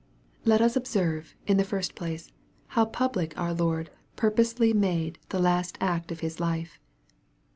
Let us observe, in the first place, how public our Lord purposely made the last act of His life.